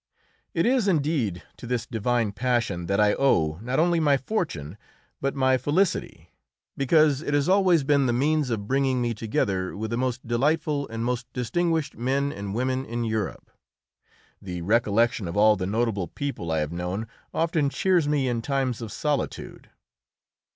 It is, indeed, to this divine passion that I owe, not only my fortune, but my felicity, because it has always been the means of bringing me together with the most delightful and most distinguished men and women in Europe. The recollection of all the notable people I have known often cheers me in times of solitude.